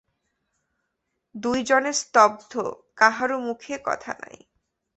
দুই জনে স্তব্ধ, কাহারও মুখে কথা নাই।